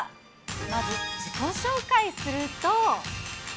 まず自己紹介すると。